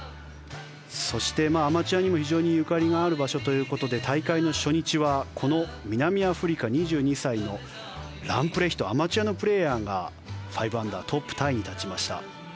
そして、アマチュアにも非常にゆかりがある場所ということで大会の初日はこの南アフリカ２２歳のランプレヒトアマチュアのプレーヤーが５アンダートップタイに立ちました。